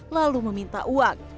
lalu meminta uang